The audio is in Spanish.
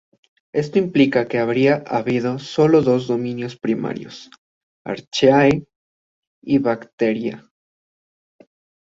Esto implica que habría habido solo dos dominios primarios: Archaea y Bacteria.